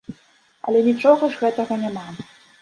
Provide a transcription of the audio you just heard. Але нічога ж гэтага няма.